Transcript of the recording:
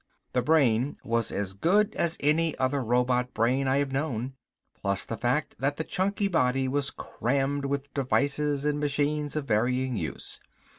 The brain was as good as any other robot brain I have known, plus the fact that the chunky body was crammed with devices and machines of varying use.